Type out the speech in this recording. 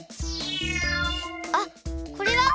あっこれは？